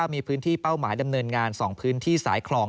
มีพื้นที่เป้าหมายดำเนินงาน๒พื้นที่สายคลอง